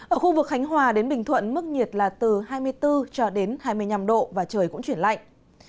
ở khu vực khánh hòa đến bình thuận mức nhiệt là từ hai mươi bốn cho đến hai mươi năm độ và trời cũng chuyển lạnh